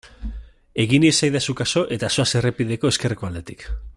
Egin iezadazu kasu eta zoaz errepideko ezkerreko aldetik.